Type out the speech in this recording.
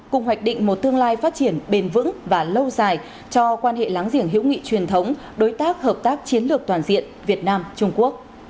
cùng hoạch định một tương lai phát triển bền vững và lâu dài cho quan hệ láng giềng hữu nghị truyền thống đối tác hợp tác chiến lược toàn diện việt nam trung quốc